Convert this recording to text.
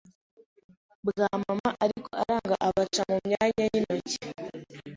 bwa mama ariko aranga abaca mu myanya y’intoki,